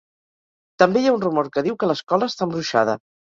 També hi ha un rumor que diu que l'escola està embruixada.